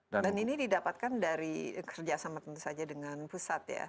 dan ini didapatkan dari kerjasama tentu saja dengan pusat ya